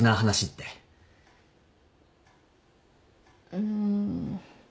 うん。